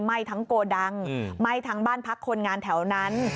ไหม้ทั้งโกดังไหม้ทั้งบ้านพักคนงานแถวนั้น